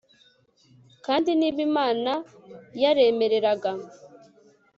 kandi, niba imana yaremereraga